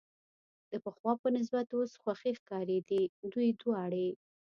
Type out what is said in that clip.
د پخوا په نسبت اوس خوښې ښکارېدې، دوی دواړې.